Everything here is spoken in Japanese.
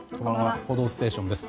「報道ステーション」です。